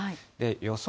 予想